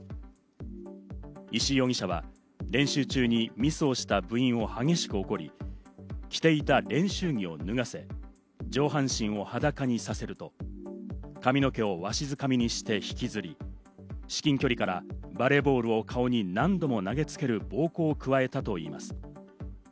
石井容疑者は練習中にミスをした部員を激しく怒り、着ていた練習着を脱がせ、上半身を裸にさせると、髪の毛をわしづかみにして引きずり、至近距離からバレーボールを顔に何度も投げ付ける暴行を加えたといいます。